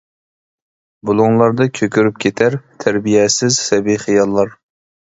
بۇلۇڭلاردا كۆكىرىپ كېتەر تەربىيەسىز سەبىي خىياللار.